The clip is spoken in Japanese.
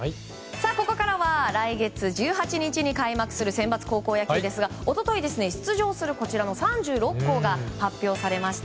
ここからは来月１８日に開幕するセンバツ高校野球ですが一昨日、出場する３６校が発表されました。